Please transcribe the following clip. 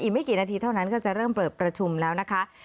ไม่กี่นาทีเท่านั้นก็จะเริ่มเปิดประชุมแล้วนะคะ